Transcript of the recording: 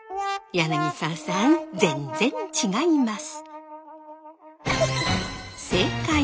柳沢さん全然違います。